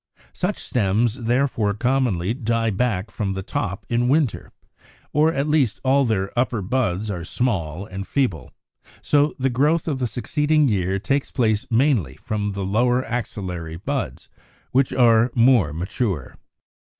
Such stems therefore commonly die back from the top in winter, or at least all their upper buds are small and feeble; so the growth of the succeeding year takes place mainly from the lower axillary buds, which are more mature.